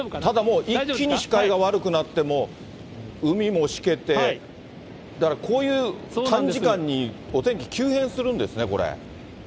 ただもう、一気に視界が悪くなって、もう海もしけて、だからこういう短時間にお天気、急変するんですね、これ。